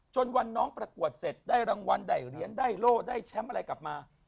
จนวันน้องประกวดเสร็จได้รางวัลได้เหรียญได้โล่ได้แชมป์อะไรกลับมา